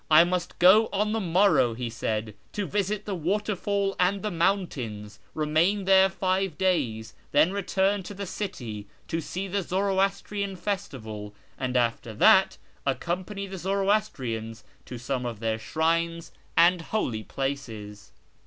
I must go on the morrow, he said, to visit the waterfall and the mountains, remain there five days, then return to the city to see the Zoroastrian festival, and after that accompany the Zoroastrians to some of their shrines and holy places.